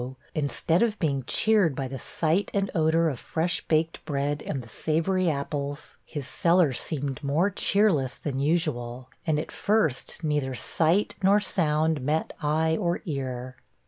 instead of being cheered by the sight and odor of fresh baked bread and the savory apples, his cellar seemed more cheerless than usual, and at first neither sight nor sound met eye or ear.